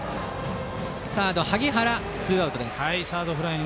サード、萩原ツーアウトです。